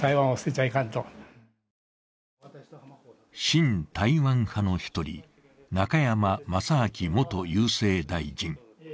親台湾派の一人、中山正暉元郵政大臣。